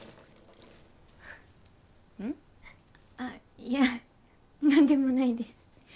いや何でもないです。